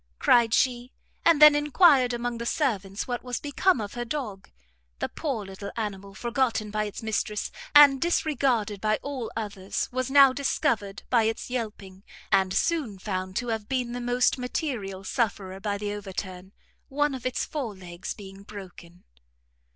cried she and then enquired among the servants what was become of her dog. The poor little animal, forgotten by its mistress, and disregarded by all others, was now discovered by its yelping; and soon found to have been the most material sufferer by the overturn, one of its fore legs being broken.